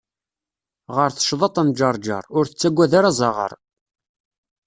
Ɣer tecḍaṭ n ǧeṛǧeṛ, ur tettagad ara aẓaɣaṛ.